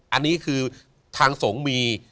อันนี้คือทางสงฆ์มี